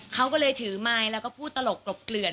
เขาก็เลยถือไมค์แล้วก็พูดตลกกลบเกลื่อน